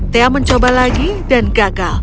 tea mencoba lagi dan gagal